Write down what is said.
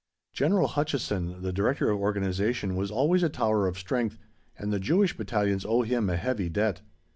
General Hutchison, the Director of Organization, was always a tower of strength, and the Jewish Battalions owe him a heavy debt.